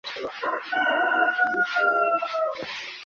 Iyo numvise iyo ndirimbo, nibuka iminsi yanjye y'ubuto